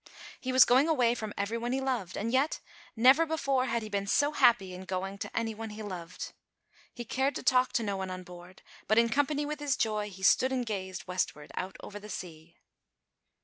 He was going away from every one he loved, and yet never before had he been so happy in going to any one he loved. He cared to talk to no one on board, but in company with his joy he stood and gazed westward out over the sea.